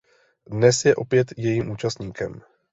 Dnes je opět jejím účastníkem.